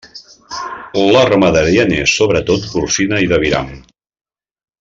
La ramaderia n'és sobretot porcina i d'aviram.